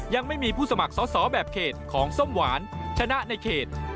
ยังไม่มีผู้สมัครสอสอแบบเขตของส้มหวานชนะในเขต